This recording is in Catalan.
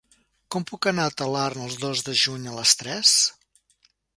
Com puc anar a Talarn el dos de juny a les tres?